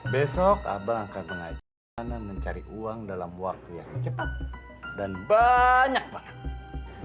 besok abang akan mengajarkan mencari uang dalam waktu yang cepat dan banyak banget